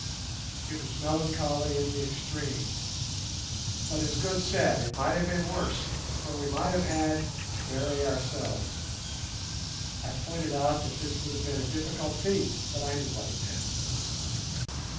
It was melancholy in the extreme, but, as Good said, it might have been worse, for we might have had "to bury ourselves". I pointed out that this would have been a difficult feat, but I knew what he meant.